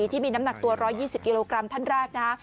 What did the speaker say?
ที่มีน้ำหนักตัว๑๒๐กิโลกรัมท่านแรกนะ